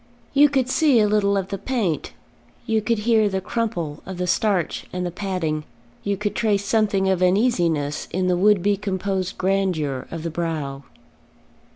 You could see a little of the paint, you could hear the crumple of the starch and the padding; you could trace something of uneasiness in the would be composed grandeur of the brow.